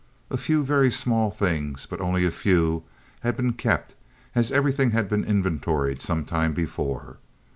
A few very small things, but only a few, had been kept, as everything had been inventoried some time before.